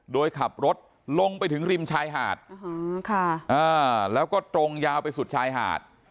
โดยขับรถลงไปถึงริมชายหาดแล้วก็ตรงยาวไปสุดชายหาด